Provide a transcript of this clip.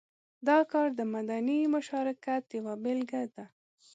دا کار د مدني مشارکت یوه بېلګه ده.